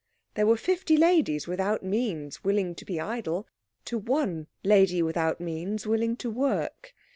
There were fifty ladies without means willing to be idle, to one lady without means willing to work.